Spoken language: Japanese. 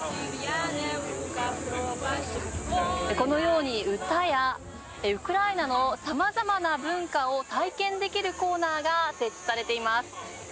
このように、歌やウクライナの様々な文化を体験できるコーナーが設置されています。